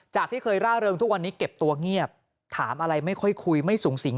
ที่เคยร่าเริงทุกวันนี้เก็บตัวเงียบถามอะไรไม่ค่อยคุยไม่สูงสิง